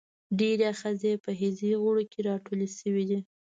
ډیری آخذې په حسي غړو کې راټولې شوي دي.